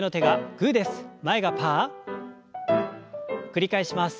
繰り返します。